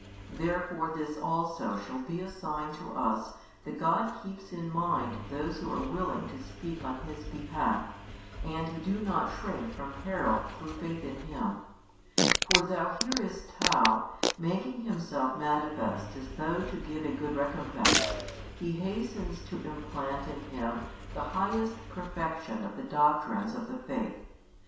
Therefore this also shall be a sign to us that God keeps in mind those who are willing to speak on His behalf and who do not shrink from peril through faith in Him. For thou hearest how, making Himself manifest as though to give a good recompense, He hastens to implant in him the highest perfection of the doctrines of the faith.